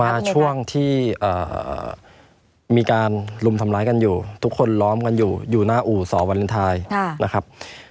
มาช่วงที่มีการลุมทำร้ายกันอยู่ทุกคนล้อมกันอยู่อยู่หน้าอู่สอวาเลนไทยนะครับ